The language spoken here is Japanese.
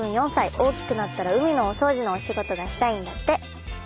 大きくなったら海のお掃除のお仕事がしたいんだって。